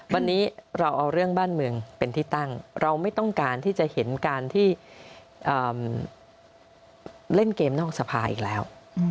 วันนี้เราเอาเรื่องบ้านเมืองเป็นที่ตั้งเราไม่ต้องการที่จะเห็นการที่เล่นเกมนอกสภาอีกแล้ว